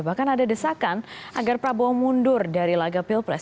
bahkan ada desakan agar prabowo mundur dari laga pilpres